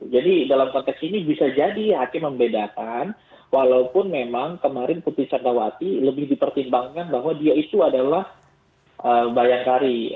jadi dalam konteks ini bisa jadi yang akan membedakan walaupun memang kemarin putri senggawati lebih dipertimbangkan bahwa dia itu adalah bayangkari